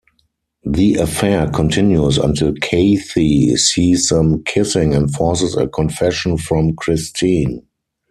The affair continues until Kathy sees them kissing and forces a confession from Christine.